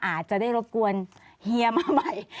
อาจจะได้รบกวนเฮียมาใหม่